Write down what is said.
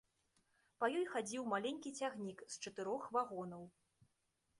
Па ёй хадзіў маленькі цягнік з чатырох вагонаў.